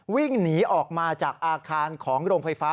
วิ่งหนีออกมาจากอาคารของโรงไฟฟ้า